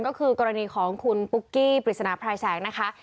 ก็คือกรณีของคุณปุ๊กกี้ปริศนาพรายแสงนะคะ